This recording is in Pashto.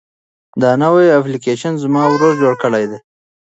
دا نوی اپلیکیشن زما ورور جوړ کړی دی.